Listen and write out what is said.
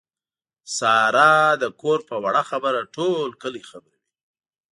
ساره د کور په وړه خبره ټول کلی خبروي.